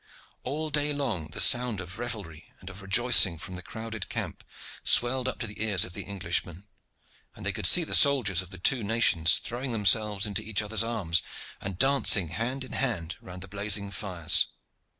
All day long the sound of revelry and of rejoicing from the crowded camp swelled up to the ears of the Englishmen, and they could see the soldiers of the two nations throwing themselves into each other's arms and dancing hand in hand round the blazing fires.